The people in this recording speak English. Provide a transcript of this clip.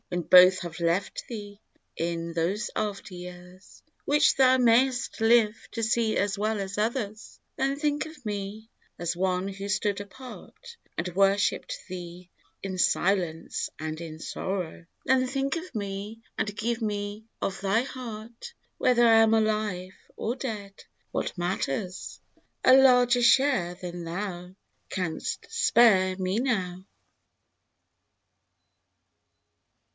When both have left thee, in those after years Which thou mayst live to see as well as others ; Then think of me, as one who stood apart And worshipped thee in silence and in sorrow, — Then think of me, and give me of thy heart (Whether I am alive or dead, what matters ?) A larger share than thou canst spare me now